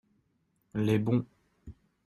les bons.